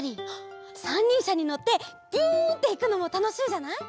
しゃにのってビュンっていくのもたのしいじゃない？